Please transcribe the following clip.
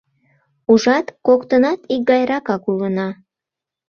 Ужат, коктынат икгайракак улына.